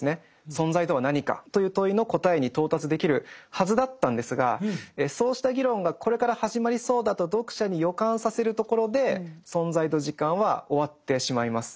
「存在とは何か」という問いの答えに到達できるはずだったんですがそうした議論がこれから始まりそうだと読者に予感させるところで「存在と時間」は終わってしまいます。